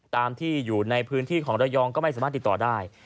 ตามที่อยู่ในพื้นที่ของระยองก็ไม่สามารถติดต่อได้